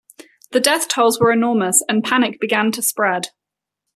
The death tolls were enormous and panic began to spread.